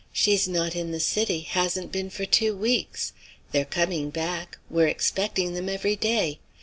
She's not in the city; hasn't been for two weeks. They're coming back; we're expecting them every day.